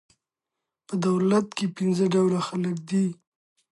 په دولت کښي پنځه ډوله خلک دي.